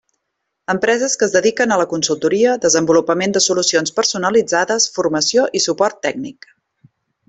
Empreses que es dediquen a la consultoria, desenvolupament de solucions personalitzades, formació i suport tècnic.